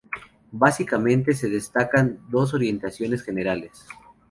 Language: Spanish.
Básicamente se destacan dos orientaciones generales.